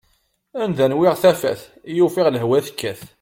Anda nwiɣ tafat i yufiɣ lehwa tekkat!